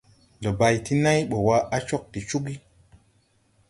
Ndo bay ti nãy bɔ wa, a cog de cugi.